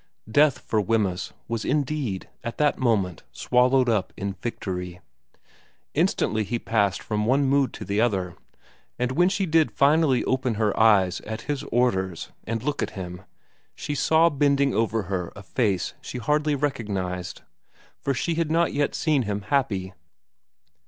Death for Wemyss was indeed at that moment swallowed up in victory. Instantly he passed from one mood to the other, and when she finally did open her eyes at his orders and look at him, she saw bending over her a face she hardly recognised, for she had not yet seen him happy.